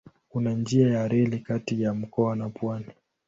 Kuna njia ya reli kati ya mkoa na pwani.